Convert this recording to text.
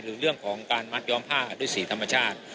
หรือเรื่องของการมัดย้อมผ้าด้วยสีธรรมชาติ